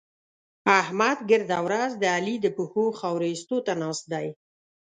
احمد ګرده ورځ د علي د پښو خاورې اېستو ته ناست دی.